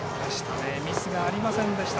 ミスがありませんでした。